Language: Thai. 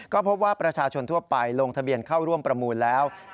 ก็พบว่าประชาชนทั่วไปลงทะเบียนเข้าร่วมประมูลแล้ว